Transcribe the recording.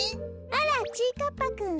あらちぃかっぱくん。